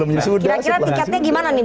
kira kira tiketnya gimana nih